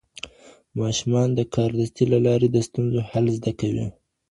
ماشومان د کاردستي له لارې د ستونزو حل زده کوي.